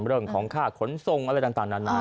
เรื่องของค่าขนส่งอะไรต่างนานา